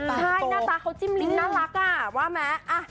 ใช่หน้าตาเขาจิ้มลิ้นน่ารักว่าไหม